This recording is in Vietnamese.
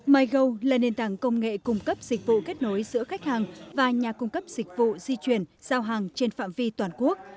mygo là nền tảng công nghệ cung cấp dịch vụ kết nối giữa khách hàng và nhà cung cấp dịch vụ di chuyển giao hàng trên phạm vi toàn quốc